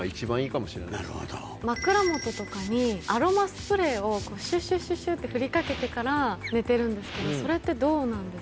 枕元とかにアロマスプレーをシュシュシュってふりかけてから寝てるんですけどそれってどうなんですか？